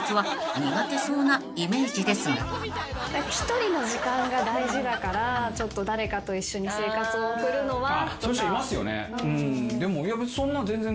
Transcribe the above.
１人の時間が大事だから誰かと一緒に生活を送るのは。